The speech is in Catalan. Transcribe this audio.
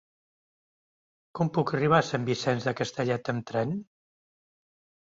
Com puc arribar a Sant Vicenç de Castellet amb tren?